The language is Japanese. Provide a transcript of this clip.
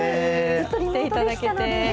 来ていただけて。